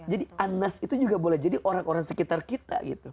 jadi anas itu juga boleh jadi orang orang sekitar kita gitu